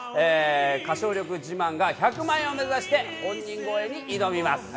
歌唱力自慢が１００万円を目指して本人超えに挑みます。